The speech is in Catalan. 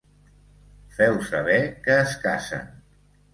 Feu saber que es casen.